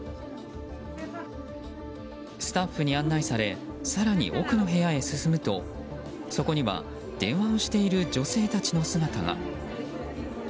スタッフに案内され更に奥の部屋へ進むとそこには電話をしている女性たちの姿が。